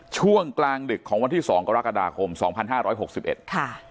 ช่วงกลางดึกของวันที่๒กรกฎาคม๒๕๖๑ค่ะ